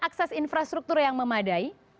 akses infrastruktur yang memadai